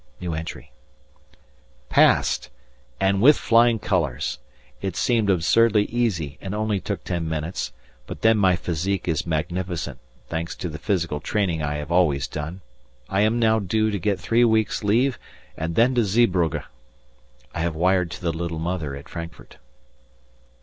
Passed! and with flying colours; it seemed absurdly easy and only took ten minutes, but then my physique is magnificent, thanks to the physical training I have always done. I am now due to get three weeks' leave, and then to Zeebrugge. I have wired to the little mother at Frankfurt.